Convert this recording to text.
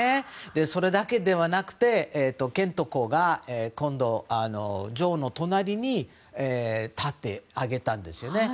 それだけではなくてケント公が今度、女王の隣に立ってあげたんですよね。